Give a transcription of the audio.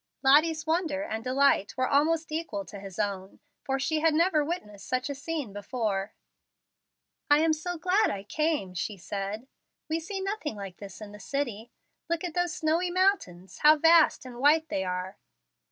Lottie's wonder and delight were almost equal to his own, for she had never witnessed such a scene before. "I am so glad I came!" she said. "We see nothing like this in the city. Look at those snowy mountains. How vast and white they are!"